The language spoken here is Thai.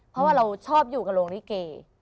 เพราะว่าเราชอบอยู่กับโรงลิเก